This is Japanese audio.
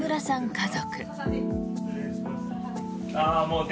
家族。